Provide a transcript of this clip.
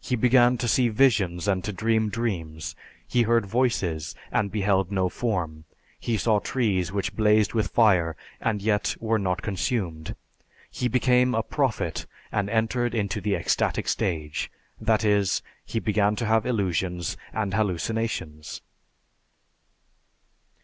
He began to see visions and to dream dreams. He heard voices and beheld no form; he saw trees which blazed with fire and yet were not consumed. He became a prophet and entered into the ecstatic stage. _That is, he began to have illusions and hallucinations.